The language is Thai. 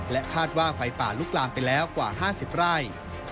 คาดว่าไฟป่าลุกลามไปแล้วกว่า๕๐ไร่